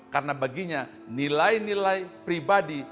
karena baginya nilai nilai pribadi